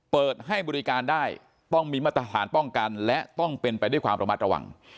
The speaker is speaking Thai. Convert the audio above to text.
เปิดให้บริการได้ต้องมีมาตรฐานป้องกันและต้องเป็นไปด้วยความระมัดระวัง